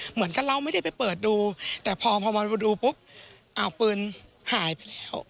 เหมือนกับเราไม่ได้ไปเปิดดูแต่พอมาดูปุ๊บอ้าวปืนหายไปแล้ว